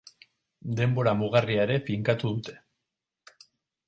Denbora mugarria ere finkatu dute.